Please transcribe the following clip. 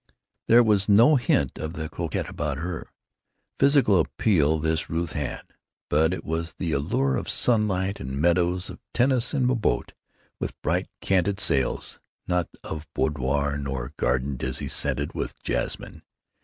There was no hint of the coquette about her. Physical appeal this Ruth had, but it was the allure of sunlight and meadows, of tennis and a boat with bright, canted sails, not of boudoir nor garden dizzy scented with jasmine.